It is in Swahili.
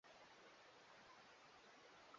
kiwango kikubwa cha mabaki ya dawa